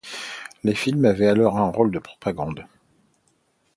Les films avaient alors un rôle de propagande.